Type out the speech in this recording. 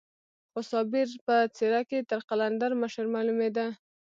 خو صابر په څېره کې تر قلندر مشر معلومېده.